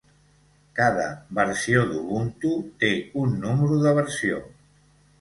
Cada versió d'Ubuntu té un número de versió.